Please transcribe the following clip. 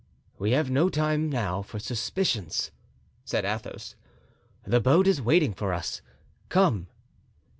"We have no time now for suspicions," said Athos. "The boat is waiting for us; come."